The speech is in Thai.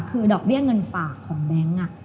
คือดอกเบี้ยเงินฝากของแบงค์